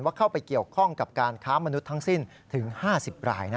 เข้าไปเกี่ยวข้องกับการค้ามนุษย์ทั้งสิ้นถึง๕๐ราย